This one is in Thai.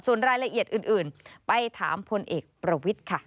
ส่วนรายละเอียดอื่นไปถามพลเอกประวิทย์ค่ะ